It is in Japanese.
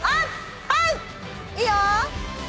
はい！」